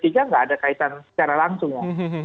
tidak ada kaitan secara langsung ya